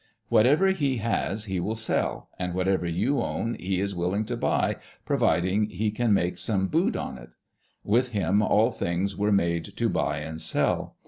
Whatever he has he will sell ; and whatever you own he is willing to buy, providing he can make some " boot" on it. With him all things were made to buy and sell.